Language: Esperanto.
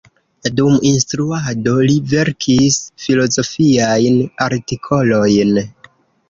Dum instruado li verkis filozofiajn artikolojn.